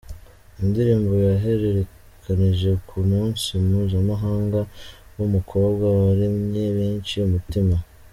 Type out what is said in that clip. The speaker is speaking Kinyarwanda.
Indirimbo yahererekanije ku munsi mpuzamahanga w’umukobwa waremye benshi umutima.